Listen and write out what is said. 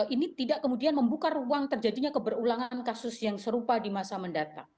ini tidak kemudian membuka ruang terjadinya keberulangan kasus yang serupa di masa mendatang